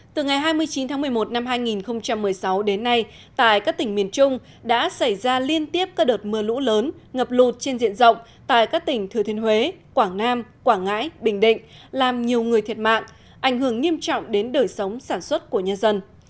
từ ngày hai mươi chín tháng một mươi một năm hai nghìn một mươi sáu đến nay tại các tỉnh miền trung đã xảy ra liên tiếp các đợt mưa lũ lớn ngập lụt trên diện rộng tại các tỉnh thừa thiên huế quảng nam quảng ngãi bình định làm nhiều người thiệt mạng ảnh hưởng nghiêm trọng đến đời sống sản xuất của nhân dân